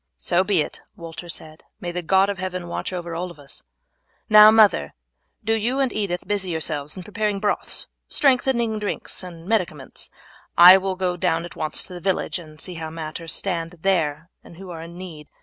"So be it," Walter said; "may the God of heaven watch over us all! Now, mother, do you and Edith busy yourselves in preparing broths, strengthening drinks, and medicaments. I will go down at once to the village and see how matters stand there and who are in need.